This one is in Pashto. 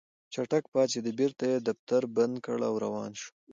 چټک پاڅېد بېرته يې دفتر بند کړ او روان شو.